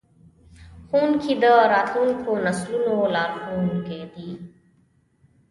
ښوونکي د راتلونکو نسلونو لارښوونکي دي.